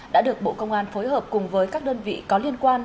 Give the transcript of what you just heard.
đã được bộ công an phối hợp cùng với các đơn vị có liên quan